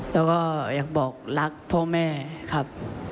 แล้วก็อยากบอกรักพ่อแม่ครับ